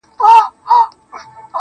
ما د ملا نه د آذان په لور قدم ايښی دی,